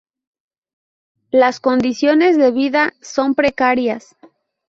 Las condiciones de vida son precarias.